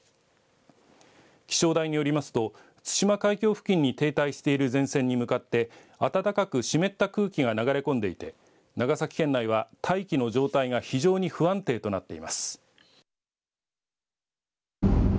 気象台によりますと対馬海峡付近に停滞している前線に向かって暖かく湿った空気が流れ込んでいて長崎県内は大気の状態が非常に不安定となっています。